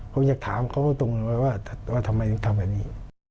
ผมอยากถามเขาตรงไว้ว่าทำไมถึงทำแบบนี้